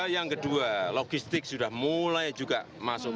yang kedua logistik sudah mulai juga masuk